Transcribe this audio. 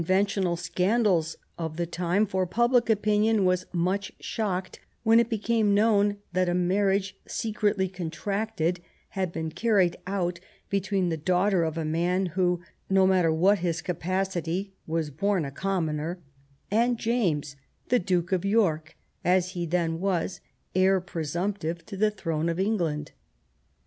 THE RElGlf OP QtTEEN ANNE tional scandals — of the time, for public opinion was much shocked when it became known that a marriage, secretly contracted, had been carried out between the daughter of a man who, no matter what his capacity, was bom a commoner, and James, the Duke of York as he then was, heir presumptive to the throne of England.